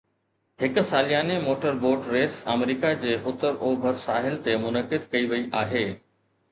هڪ سالياني motor boat race America جي اتر اوڀر ساحل تي منعقد ڪئي وئي آهي